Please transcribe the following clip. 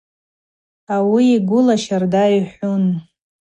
Ауи йгвыла щарда йхӏвун.